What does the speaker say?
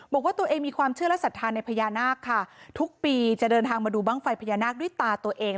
บอกว่าตัวเองมีความเชื่อและศรัทธาในพญานาคค่ะทุกปีจะเดินทางมาดูบ้างไฟพญานาคด้วยตาตัวเอง